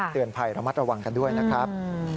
เตือนภัยระมัดระวังกันด้วยนะครับ